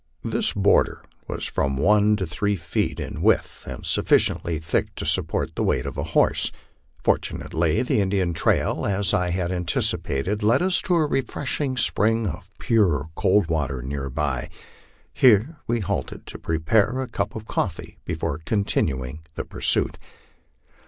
This border was from one to three feet in width, and sufficiently thick to support the weight of a horse. Fortunately the Indian trail, as I had anticipated, led us to a refreshing spring of pure, cold water near by. Here we halted to prepare a cup of coffee before continuing the pursuit.